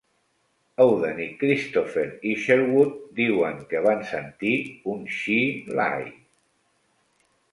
Auden i Christopher Isherwood diuen que van sentir un Chee Lai!